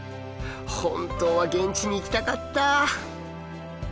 本当は現地に行きたかった！